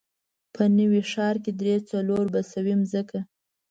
په نوي ښار کې درې، څلور بسوې ځمکه.